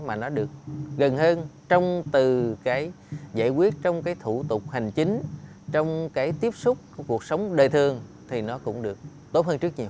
mà nó được gần hơn trong từ cái giải quyết trong cái thủ tục hành chính trong cái tiếp xúc cuộc sống đời thường thì nó cũng được tốt hơn trước nhiều